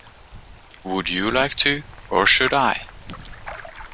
Would you like to, or should I?